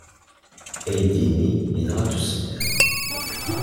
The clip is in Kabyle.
Aydi-nni yenɣa-t usemmiḍ.